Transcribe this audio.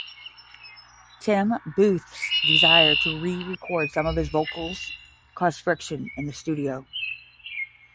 Tim Booth's desire to re-record some of his vocals caused friction in the studio.